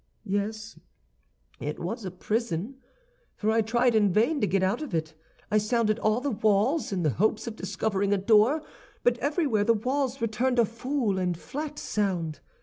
"Yes, it was a prison, for I tried in vain to get out of it. I sounded all the walls, in the hopes of discovering a door, but everywhere the walls returned a full and flat sound.